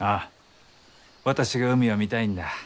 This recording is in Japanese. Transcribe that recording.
私が海を見たいんだ。